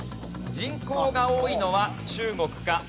人口が多いのは中国か？